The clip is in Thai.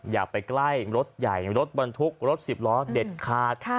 อย่าไปใกล้รถใหญ่รถบรรทุกรถสิบล้อเด็ดขาด